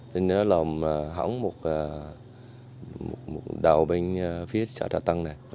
nên nó làm hỏng một đảo bên phía trà tân này